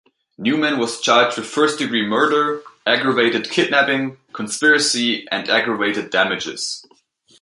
Newman was charged with first degree murder, aggravated kidnapping, conspiracy, and aggravated damages.